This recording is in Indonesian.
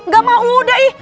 gak mau udah ih